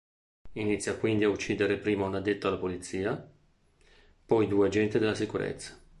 Inizia quindi a uccidere prima un addetto alla pulizia, poi due agenti della sicurezza.